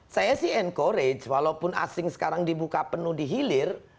saya sih encourage walaupun asing sekarang dibuka penuh di hilir